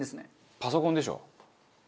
パソコンでしょ。